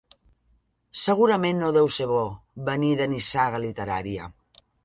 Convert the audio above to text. Segurament no deu ser bo, venir de nissaga literària...